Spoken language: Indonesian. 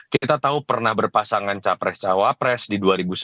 kita tahu pernah berpasangan capres cawapres di dua ribu sembilan belas